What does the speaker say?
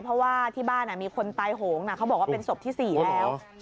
เพราะว่าที่บ้านมีคนตายโหงเขาบอกว่าเป็นศพที่๔แล้ว